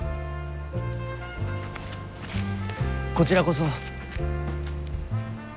こちらこそ。